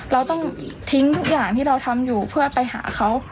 เราต้องทิ้งทุกอย่างที่เราทำอยู่เพื่อไปหาเขา